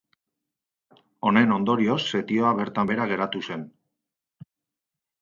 Honen ondorioz, setioa bertan behera geratu zen.